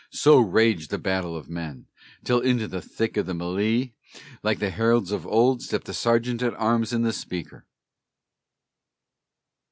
So raged the battle of men, till into the thick of the mêlée, Like to the heralds of old, stepped the Sergeant at Arms and the Speaker.